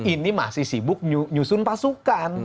ini masih sibuk nyusun pasukan